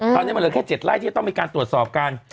ตอนนี้มันเหลือแค่๗ไร่ที่จะต้องมีการตรวจสอบกัน